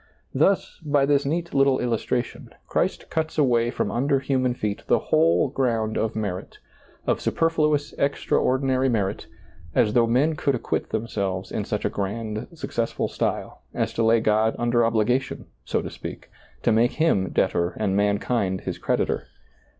Thus, by this neat tittle illustration, Christ cuts away from under human feet the whole ground of merit, of superfluous, extraordinary merit, as though men could acquit themselves in such a grand, successful style, as to lay God under obli gation, so to speak, to make Him debtor and mankind His creditor.